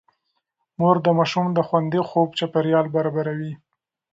مور د ماشوم د خوندي خوب چاپېريال برابروي.